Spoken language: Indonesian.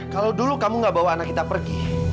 kalau dulu kamu gak bawa anak kita pergi